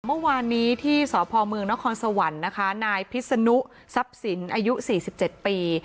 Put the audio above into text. เมื่อวานนี้ที่สพเมืองนครสวรรค์นะคะนายพิษนุทรัพย์สินอายุ๔๗ปี